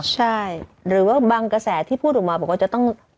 ใช่หรือว่าบางกระแสที่พูดออกมาบอกว่าจะต้อง